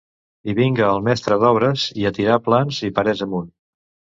I vinga el mestre d'obres, i a tirar plans, i parets amunt